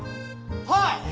はい！